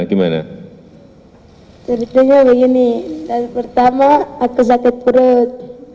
ceritanya begini dari pertama aku sakit perut